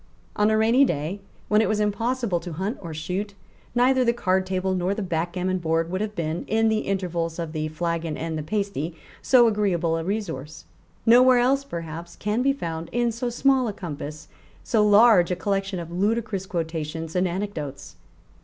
On a rainy day, when it was impossible to hunt or shoot, neither the card table nor the backgammon board would have been, in the intervals of the flagon and the pasty, so agreeable a resource. Nowhere else, perhaps, can be found, in so small a compass, so large a collection of ludicrous quotations and anecdotes.